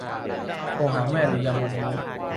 โทรหาแม่หรือยังวันนี้